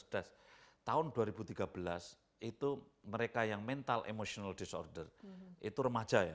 tahun dua ribu tiga belas itu mereka yang mental emotional disorder itu remaja ya